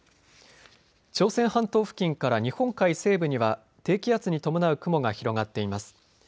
朝鮮半島付近から日本海西部には低気圧に伴う雲が広がっています。